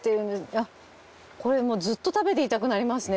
あっこれもうずっと食べていたくなりますね。